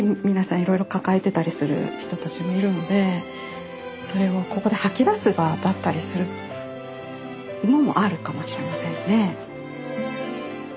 いろいろ抱えてたりする人たちもいるのでそれをここで吐き出す場だったりするのもあるかもしれませんね。